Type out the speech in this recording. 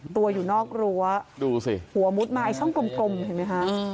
ตัวอยู่นอกรั้วดูสิหัวมุดมาไอ้ช่องกลมเห็นไหมคะ